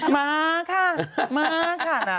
มาค่ะมาค่ะ